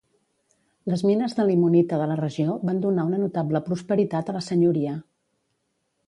Les mines de limonita de la regió van donar una notable prosperitat a la senyoria.